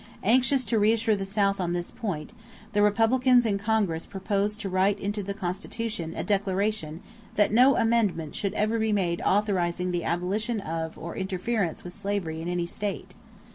Anxious to reassure the South on this point, the Republicans in Congress proposed to write into the Constitution a declaration that no amendment should ever be made authorizing the abolition of or interference with slavery in any state.